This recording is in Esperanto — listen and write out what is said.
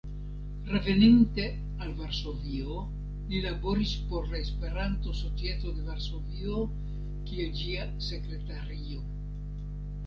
Reveninte al Varsovio, li laboris por la Esperanto-Societo en Varsovio kiel ĝia sekretario.